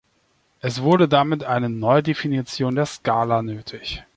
Es wurde damit eine Neudefinition der Skala nötig.